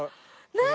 何？